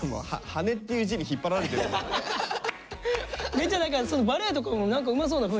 それもうめっちゃ何かバレエとかもうまそうな雰囲気。